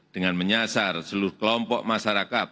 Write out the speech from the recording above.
dengan menyasar seluruh kelompok masyarakat